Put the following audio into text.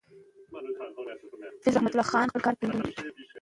حافظ رحمت خان بړیڅ له احمدشاه بابا سره مرسته کوله.